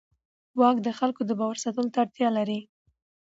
واک د خلکو د باور ساتلو ته اړتیا لري.